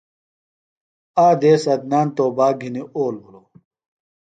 آک دیس عدنان توباک گِھنی اول بِھلوۡ۔